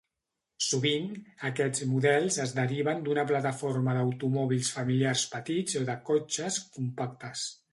Sovint, aquests models es deriven d'una plataforma d'automòbils familiars petits o de cotxes compactes.